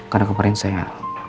karena kemarin saya